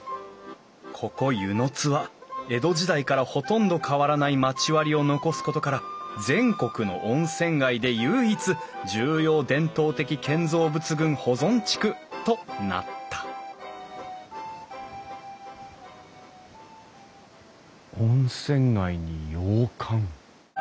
ここ温泉津は江戸時代からほとんど変わらない町割りを残すことから全国の温泉街で唯一重要伝統的建造物群保存地区となった温泉街に洋館。